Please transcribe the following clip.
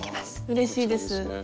うれしいです。